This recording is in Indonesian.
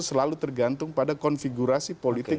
selalu tergantung pada konfigurasi politik